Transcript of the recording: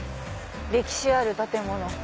歴史ある建物。